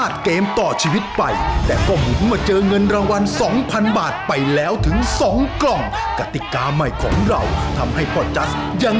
ตอบไปได้๓พ่อเพราะฉะนั้น